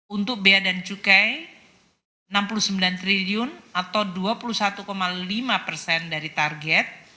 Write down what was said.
untuk bea dan cukai enam puluh sembilan triliun atau dua puluh satu lima persen dari target